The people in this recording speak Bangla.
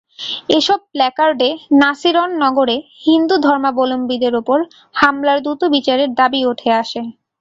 এসব প্ল্যাকার্ডে নাসিরনগরে হিন্দু ধর্মাবলম্বীদের ওপর হামলার দ্রুত বিচারের দাবি ওঠে আসে।